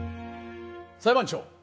裁判長。